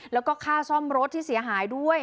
แล้วก็ค่าซ่อมรถที่เสียหายด้วย